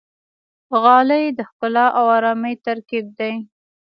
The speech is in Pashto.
غالۍ د ښکلا او آرامۍ ترکیب دی.